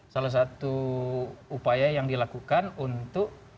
salah satu upaya yang dilakukan untuk